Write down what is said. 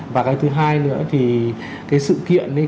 và cái thứ hai nữa thì cái sự kiện ấy